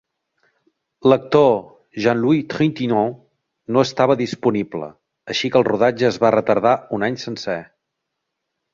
L'actor Jean-Louis Trintignant no estava disponible, així que el rodatge es va retardar un any sencer.